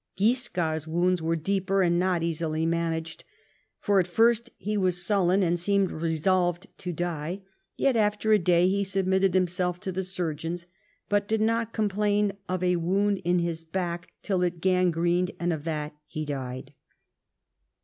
Guiscard's wounds were deeper, and not easily managed; for at first he was sullen, and seemed resolved to die; yet after a day, he submitted himself to the surgeons ; but did not 335 THE REIGN OF QUEEN ANNE complain of a woiuid in his back, till it gangrened, and of that he died."